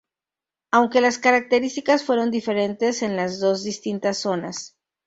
Aunque las características fueron diferentes en las dos distintas zonas.